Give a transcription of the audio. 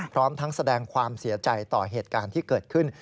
พร้อมทั้งแสดงความเสียใจต่อเหตุการณ์ที่เกิดขึ้น